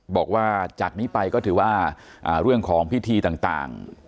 บอกว่าจากนี้ไปก็ถือว่าเรื่องของพิธีต่าง